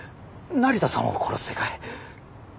成田さんを殺す世界。